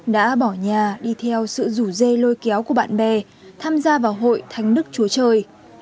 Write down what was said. đã bỏ nhà đi theo sự rủ dê lôi kéo của bạn bè tham gia vào hội thánh đức chúa trời